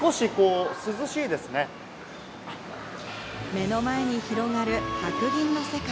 目の前に広がる白銀の世界。